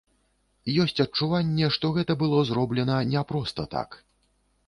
Ёсць адчуванне, што гэта было зроблена не проста так.